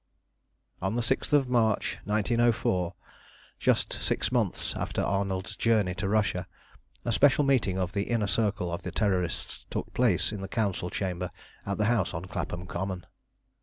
On the 6th of March 1904, just six months after Arnold's journey to Russia, a special meeting of the Inner Circle of the Terrorists took place in the Council chamber, at the house on Clapham Common.